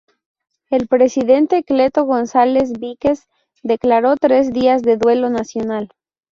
El Presidente Cleto González Víquez declaró tres días de duelo nacional.